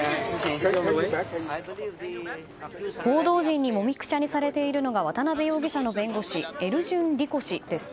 報道陣にもみくちゃにされているのが渡辺容疑者の弁護士エルジュン・リコ氏です。